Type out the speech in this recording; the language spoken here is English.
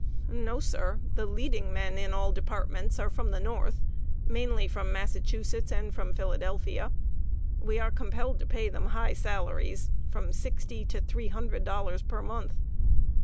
"No, sir. The leading men in all departments are from the North, mainly from Massachusetts and Philadelphia. We are compelled to pay them high salaries from sixty to three hundred dollars per month.